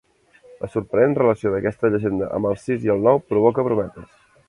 La sorprenent relació d'aquesta llegenda amb el sis i el nou provoca brometes.